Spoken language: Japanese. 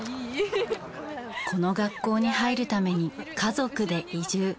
この学校に入るために家族で移住。